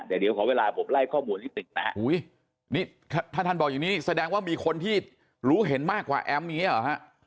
แต่เดี๋ยวขอเวลาผมไล่ข้อมูลนิดหนึ่งนะฮะนี่ถ้าท่านบอกอย่างนี้แสดงว่ามีคนที่รู้เห็นมากกว่าแอมป์อย่างนี้หรอฮะ